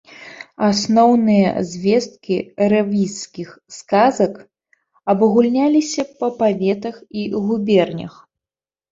Асноўныя звесткі рэвізскіх сказак абагульняліся па паветах і губернях.